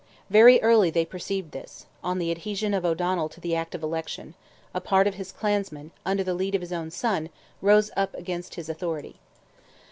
Very early they perceived this; on the adhesion of O'Donnell to the Act of Election, a part of his clansmen, under the lead of his own son, rose up against his authority.